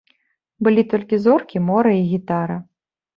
Былі толькі зоркі, мора і гітара.